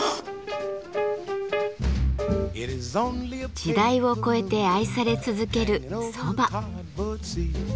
時代を超えて愛され続ける蕎麦。